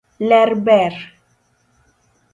Ler ber.